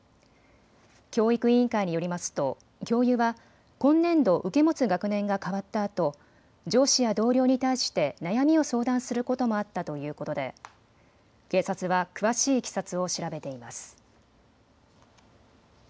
教育委員会によりますと教諭は今年度受け持つ学年がかわったあと上司や同僚に対して悩みを相談することもあったということで警察は詳しいいきさつを調べています。